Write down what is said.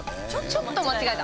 ちょっと間違えた？